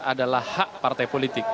adalah hak partai politik